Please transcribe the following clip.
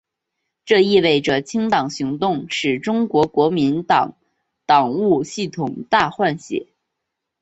这意味着清党行动使得中国国民党党务系统大换血。